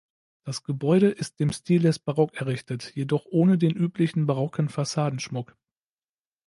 Das Gebäude ist im Stil des Barock errichtet, jedoch ohne den üblichen barocken Fassadenschmuck.